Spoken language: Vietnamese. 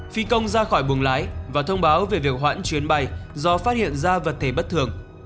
phi công ra khỏi buồng lái và thông báo về việc hoãn chuyến bay do phát hiện ra vật thể bất thường